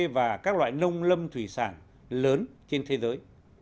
và các loại nông lâm thủy sản lớn trên thế giới